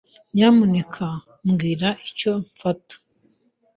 Nyamuneka mbwira icyo mfata.